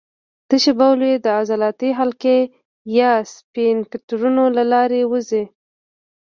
تشې بولې د عضلاتي حلقې یا سفینکترونو له لارې ووځي.